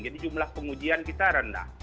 jadi jumlah pengujian kita rendah